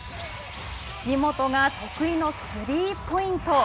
岸本が得意のスリーポイント。